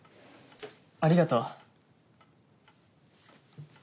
ありがとう。